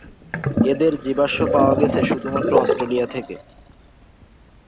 এদের জীবাশ্ম পাওয়া গেছে শুধুমাত্র অস্ট্রেলিয়া থেকে।